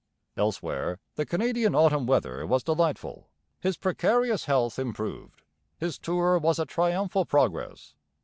Elsewhere the Canadian autumn weather was delightful. His precarious health improved. His tour was a triumphal progress.